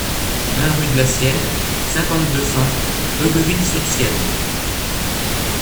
un rue de la Sienne, cinquante, deux cents, Heugueville-sur-Sienne